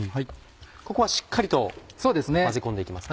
ここはしっかりと混ぜ込んでいきますか？